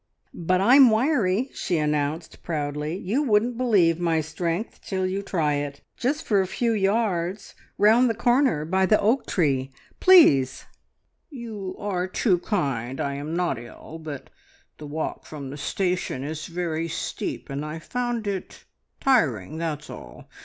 "But I'm wiry," she announced proudly. "You wouldn't believe my strength till you try it. Just for a few yards. ... Round the corner by the oak tree. Please!" "You are too kind. I am not ill, but the walk from the station is very steep and I found it tiring, that's all.